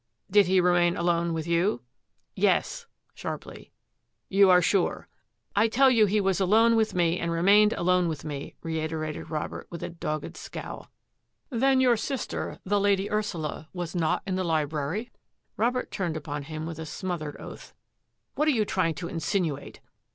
" Did he remain alone with you? "" Yes," sharply. You are sure? "" I tell you he was alone with me and remained alone with me," reiterated Robert, with a dogged scowl. " Then your sister, the Lady Ursula, was not in the library? " Robert turned upon him with a smothered oath. " What are you trying to insinuate?